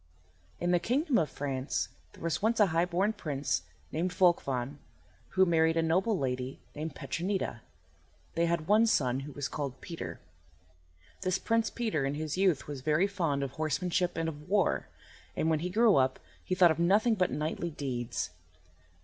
IN the kingdom of France there was once a high born prince named Volchvan who married a noble lady named Petronida. They had one son, who was called Peter. This Prince Peter in his youth was very fond of horsemanship and of war, and when he grew up he thought of nothing but knightly deeds.